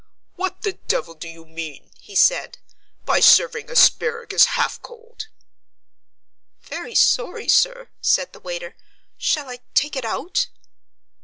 "What the devil do you mean," he said, "by serving asparagus half cold?" "Very sorry, sir," said the waiter, "shall I take it out?"